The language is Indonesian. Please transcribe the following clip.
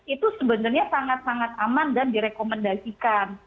itu sebenarnya sangat sangat aman dan direkomendasikan